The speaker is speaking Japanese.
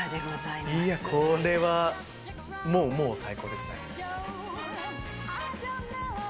いや、これは、もうもう、最高ですね。